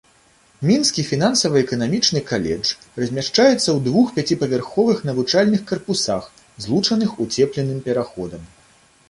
Мінскі фінансава-эканамічны каледж размяшчаецца ў двух пяціпавярховых навучальных карпусах, злучаных уцепленым пераходам.